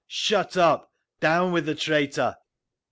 Shut up! Down with the traitor!"